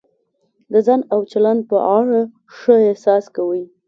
د ځان او چلند په اړه ښه احساس کوئ.